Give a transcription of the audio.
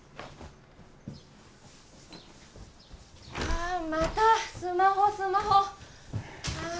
ああまたスマホスマホああ